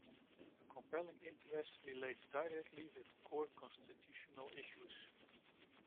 A compelling interest relates directly with core constitutional issues.